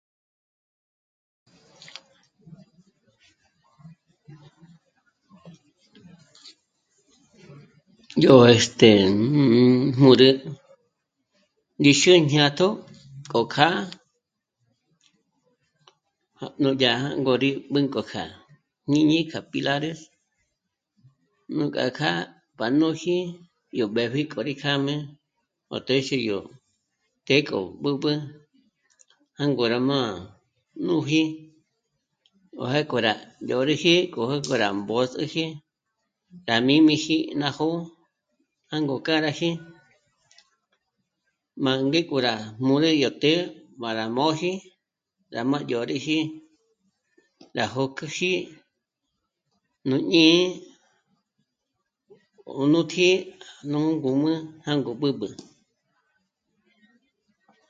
Yó, este... mmm... mä̌rä ndí xú'u jñátjo k'o kjâ'a, núdyà jângo rí b'ǜnko kja jñíñi kja Pilares. Nuk'a kjâ'a pánuji yó b'ë̀pji k'o rí kjâjmé o téxe yó të́'ë k'o b'ǚb'ü jângo rá má núji má já k'o rá dyö̀rüji k'ojó k'o rá mbǚsüji tá mǐmiji ná jo'o jângo kā́raji má ngék'o rá mū́ri yó të́'ë má rá móji rá má dyö̀rüji rá jö́küji nú jñí'i o nú tǐ'i nú ngǔm'ü jângo b'ǚb'ü